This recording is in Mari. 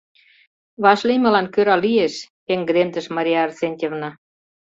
— Вашлиймылан кӧра лиеш, — пеҥгыдемдыш Мария Арсентьевна.